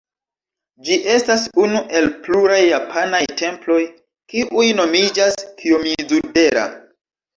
Ĝi estas unu el pluraj japanaj temploj, kiuj nomiĝas Kijomizu-dera.